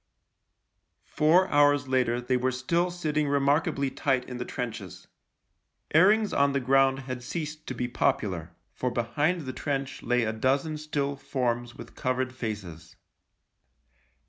Four hours later they were still sitting remarkably tight in the trenches. Airings on the ground had ceased to be popular — for behind the trench lay a dozen still forms with covered faces.